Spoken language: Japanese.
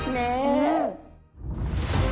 うん。